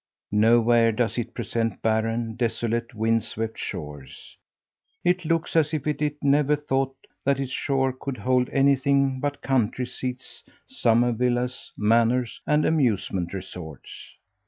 Nowhere does it present barren, desolate, wind swept shores. It looks as if it never thought that its shores could hold anything but country seats, summer villas, manors, and amusement resorts.